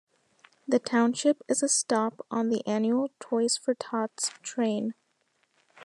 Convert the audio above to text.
The township is a stop on the annual Toys for Tots train.